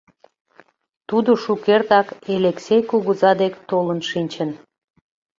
Тудо шукертак Элексей кугыза дек толын шинчын.